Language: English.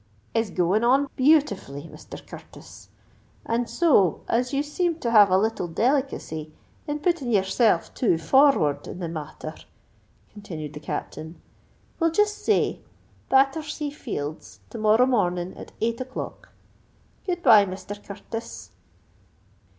"Is going on beautifully, Misther Curtis. And so, as you seem to have a little delicacy in putting yourself too for rward in the matther," continued the Captain, "we'll jist say Battersea Fields, to morrow mornin', at eight o'clock. Good bye, Misther Curtis."